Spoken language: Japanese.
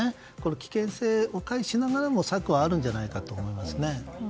危険性を回避しながらも策はあるんじゃないかと思います。